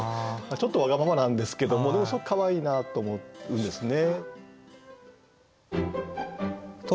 ちょっとわがままなんですけどでもすごくかわいいなと思うんですね。